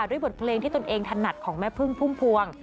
ด้วยบทเพลงที่ตนเองถนัดของแม่พึ่งพุ่มพวง